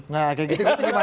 nah kayak gitu gimana